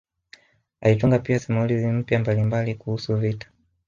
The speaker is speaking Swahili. Alitunga pia simulizi mpya mbalimbali kuhusu vita